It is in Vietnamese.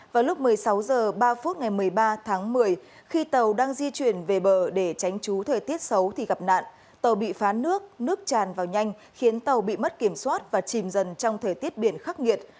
vào lúc một mươi sáu h ba ngày một mươi ba tháng một mươi khi tàu đang di chuyển về bờ để tránh trú thời tiết xấu thì gặp nạn tàu bị phá nước nước tràn vào nhanh khiến tàu bị mất kiểm soát và chìm dần trong thời tiết biển khắc nghiệt